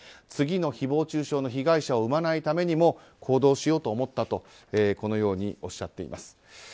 次の誹謗中傷の被害者を生まないためにも行動しようと思ったとこのようにおっしゃっています。